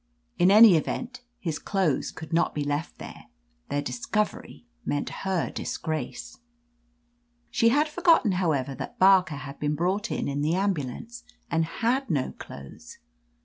In any event, his clothes could not be left there. Their discovery meant her disgrace. 198 OF LETITIA CARBERRY She had forgotten, however, that Barker had been brought in in the ambulance, and had no clothes.